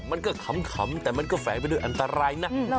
มันก็ขำแต่มันก็แฝงไปด้วยอันตรายนะ